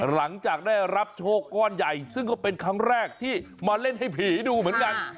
หลังจากได้รับโชคก้อนใหญ่ซึ่งก็เป็นครั้งแรกที่มาเล่นให้ผีดูเหมือนกัน